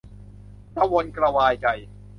กระวนกระวายใจ